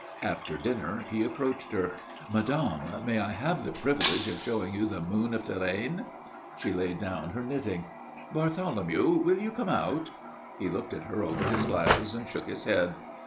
After dinner he approached her. "Madame, may I have the privilege of showing you the moon of Touraine?" She laid down her knitting. "Bartholomew, will you come out?" He looked at her over his glasses and shook his head.